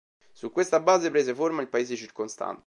Su questa base prese forma il paese circostante.